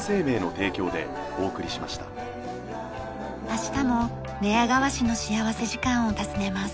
明日も寝屋川市の幸福時間を訪ねます。